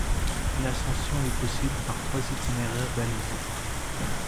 L'ascension est possible par trois itinéraires balisés.